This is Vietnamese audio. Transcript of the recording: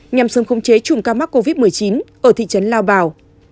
nhằm xâm khống chế chủng ca mắc covid một mươi chín ở thị trấn lao bào